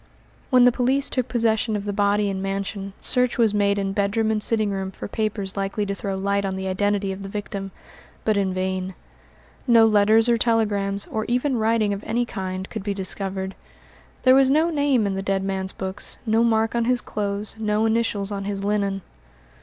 When the police took possession of the body and mansion, search was made in bedroom and sitting room for papers likely to throw light on the identity of the victim, but in vain. No letters or telegrams, or even writing of any kind, could be discovered; there was no name in the dead man's books, no mark on his clothes, no initials on his linen.